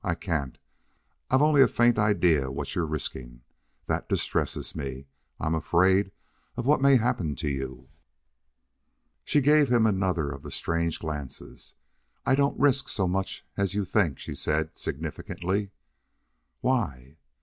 I can't. I've only a faint idea what you're risking. That distresses me. I'm afraid of what may happen to you." She gave him another of the strange glances. "I don't risk so much as you think," she said, significantly. "Why?"